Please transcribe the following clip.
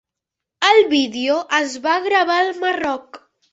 El vídeo es va gravar al Marroc.